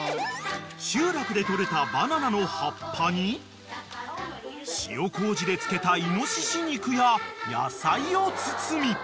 ［集落で採れたバナナの葉っぱに塩こうじで漬けたイノシシ肉や野菜を包み］